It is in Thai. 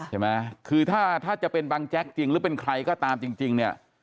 ใช่ไหมคือถ้าจะเป็นบังแจ๊กจริงหรือเป็นใครก็ตามจริงเนี่ย